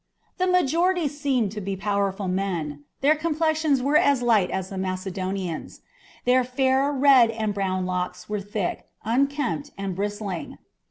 The majority seemed to be powerful men. Their complexions were as light as the Macedonians; their fair, red, and brown locks were thick, unkempt, and bristling.